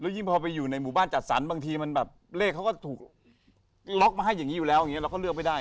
ยิ่งพอไปอยู่ในหมู่บ้านจัดสรรบางทีมันแบบเลขเขาก็ถูกล็อกมาให้อย่างนี้อยู่แล้วอย่างนี้เราก็เลือกไม่ได้